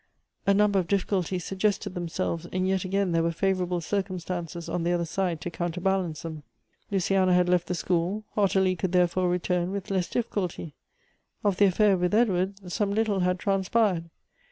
A number of difficulties suggested themselves, and yet again there were favorable circumstances on the other side to coun terbalance them. Luciana had left the school ; Ottilie could therefore return with less difficulty. Of the affiiir with Edward, some little had transpired.